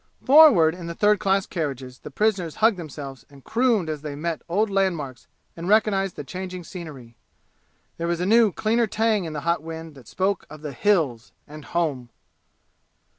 Forward in the third class carriages the prisoners hugged themselves and crooned as they met old landmarks and recognized the changing scenery. There was a new cleaner tang in the hot wind that spoke of the "Hills" and home!